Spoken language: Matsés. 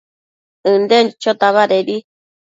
ënden chochota badedi